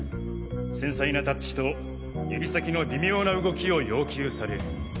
繊細なタッチと指先の微妙な動きを要求される。